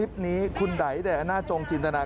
ดีขึ้นไหมคะ